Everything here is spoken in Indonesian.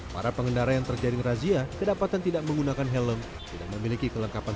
para pengendara yang terjaring razia kedapatan tidak menggunakan helm tidak memiliki kelengkapan